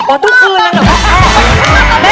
พอทุกคืนเลยเหรอ